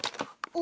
お？